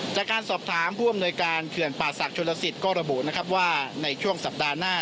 จากการสอบถามผู้อำนวยการเขื่อนป่าศักดิชนลสิตก็ระบุนะครับว่าในช่วงสัปดาห์หน้า